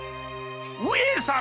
上様！